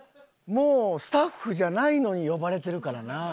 もうスタッフじゃないのに呼ばれてるからな。